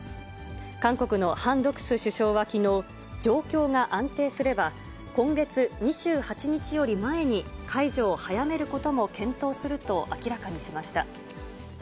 韓国のハン・ドクス首相はきのう、状況が安定すれば、今月２８日より前に、解除を早めることも検討すると明らかにしました。